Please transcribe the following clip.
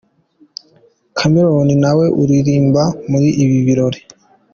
Chameleone nawe aririmba muri ibi birori.